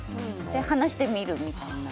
話してみるみたいな。